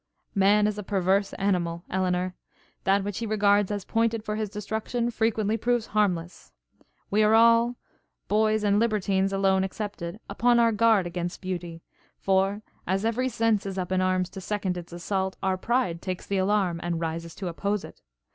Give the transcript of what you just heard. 'Man is a perverse animal, Elinor; that which he regards as pointed for his destruction, frequently proves harmless. We are all boys and libertines alone excepted upon our guard against beauty; for, as every sense is up in arms to second its assault, our pride takes the alarm, and rises to oppose it.